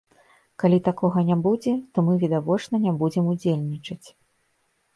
Калі такога не будзе, то мы відавочна не будзем удзельнічаць.